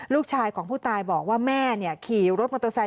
ลูกชายของผู้ตายบอกว่าแม่ขี่รถมอเตอร์ไซค